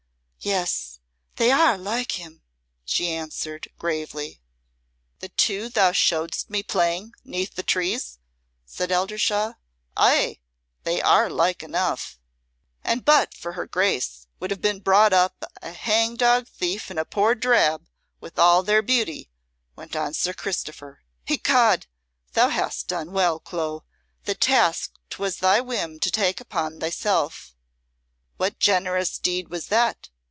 "Yes, they are like him," she answered, gravely. "The two thou show'dst me playing 'neath the trees?" said Eldershawe. "Ay, they are like enough." "And but for her Grace would have been brought up a hang dog thief and a poor drab, with all their beauty," went on Sir Christopher. "Ecod, thou hast done well, Clo, the task 'twas thy whim to take upon thyself." "What generous deed was that?"